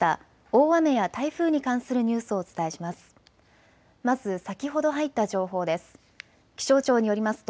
大雨や台風に関するニュースをお伝えします。